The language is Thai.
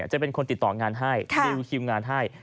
จะเป็นคนติดต่องานให้รีวิวคิวงานให้